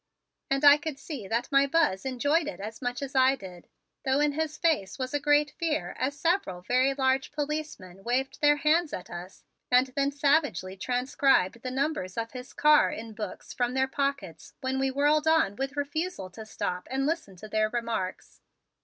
And I could see that my Buzz enjoyed it as much as did I, though in his face was a great fear as several very large policemen waved their hands at us and then savagely transcribed the numbers of his car in books from their pockets when we whirled on with refusal to stop and listen to their remarks.